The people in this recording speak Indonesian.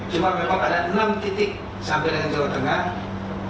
cuma memang ada enam titik sampai dengan jawa tengah